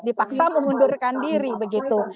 dipaksa mengundurkan diri begitu